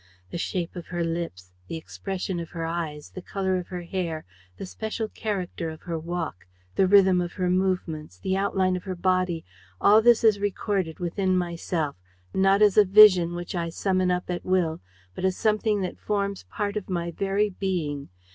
The shape of her lips, the expression of her eyes, the color of her hair, the special character of her walk, the rhythm of her movements, the outline of her body: all this is recorded within myself, not as a vision which I summon up at will, but as something that forms part of my very being.